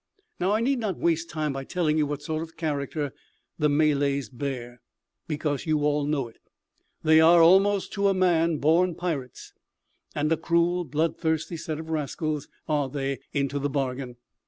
"Now, I need not waste time by telling you what sort of character the Malays bear, because you all know it. They are, almost to a man, born pirates, and a cruel, bloodthirsty set of rascals are they into the bargain.